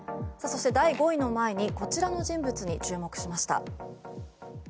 そして、第５位の前にこちらの人物に注目しました。